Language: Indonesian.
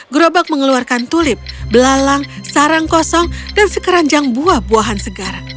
gerobak mengeluarkan tulip belalang sarang kosong dan sekeranjang buah buahan segar